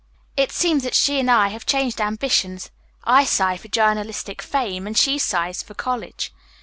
It seems that she and I have changed ambitions. I sigh for journalistic fame, and she sighs for college.